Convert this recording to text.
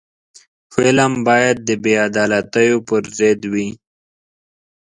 فلم باید د بې عدالتیو پر ضد وي